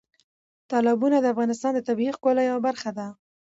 تالابونه د افغانستان د طبیعي ښکلا یوه برخه ده.